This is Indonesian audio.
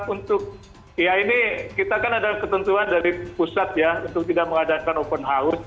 untuk ya ini kita kan ada ketentuan dari pusat ya untuk tidak mengadakan open house